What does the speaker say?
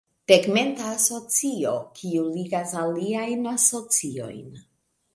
Tegmenta asocio, kiu ligas aliajn asociojn.